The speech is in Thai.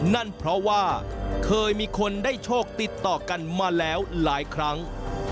นั่นเพราะว่าเคยมีคนได้โชคติดต่อกันมาแล้วหลายครั้ง